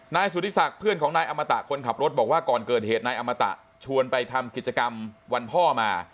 นายสุธิศักดิ์เพื่อนของนายอมตะคนขับรถบอกว่าก่อนเกิดเหตุนายอมตะชวนไปทำกิจกรรมวันพ่อมา